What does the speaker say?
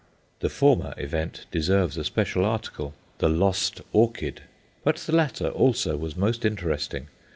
The former event deserves a special article, "The Lost Orchid;" but the latter also was most interesting.